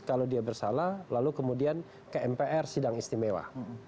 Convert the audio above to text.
kalau dia bersalah lalu kemudian ke mpr sidang istimewa